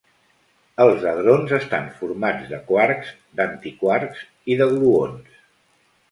Els hadrons estan formats de quarks, d'antiquarks i de gluons.